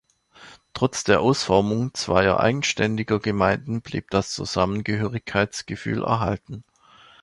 Trotz der Ausformung zweier eigenständiger Gemeinden blieb das Zusammengehörigkeitsgefühl erhalten.